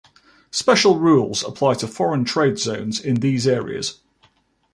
Special rules apply to foreign trade zones in these areas.